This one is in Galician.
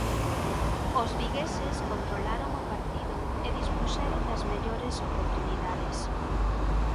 Os vigueses controlaron o partido e dispuxeron das mellores oportunidades.